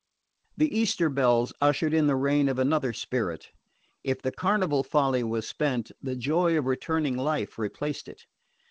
The Easter bells ushered in the reign of another spirit. If the carnival folly was spent, the joy of returning life replaced it.